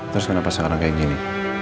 terus kenapa sekarang kayak gini